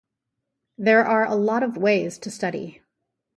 There are a lot of ways to study.